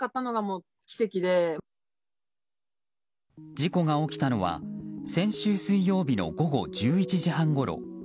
事故が起きたのは先週水曜日の午後１１時半ごろ。